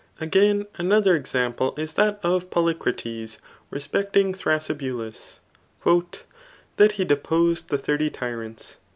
Again, another ex ample k that of Polycrates re^>eGtbg Thrasybultts» «<That he deposed the thirty, tyrants."